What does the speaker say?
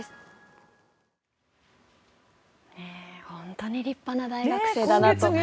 本当に立派な大学生だなと。